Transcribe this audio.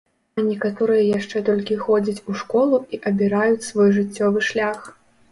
А некаторыя яшчэ толькі ходзяць у школу і абіраюць свой жыццёвы шлях.